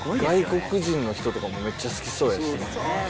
外国人の人とかもめっちゃ好きそうやしね。